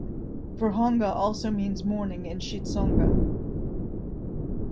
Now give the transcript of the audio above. Vurhonga also means morning in Xitsonga.